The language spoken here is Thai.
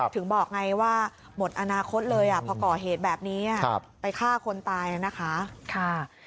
ถึงบอกไงว่าหมดอนาคตเลยพอก่อเหตุแบบนี้ไปฆ่าคนตายนะคะ